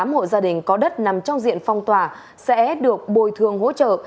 một mươi tám hộ gia đình có đất nằm trong diện phong tỏa sẽ được bồi thường hỗ trợ